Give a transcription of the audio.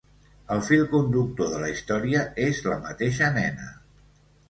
El fil conductor de la història és la mateixa nena.